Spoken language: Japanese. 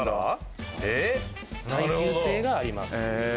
耐久性があります。